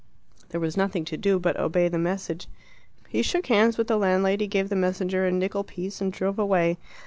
There was nothing to do but to obey the message. He shook hands with the landlady, gave the messenger a nickel piece, and drove away.